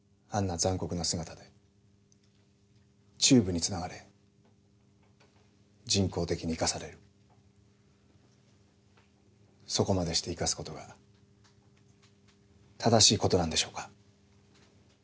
残酷な姿でチューブにつながれ人工的に生かされるそこまでして生かすことが正しいことなんでしょうか？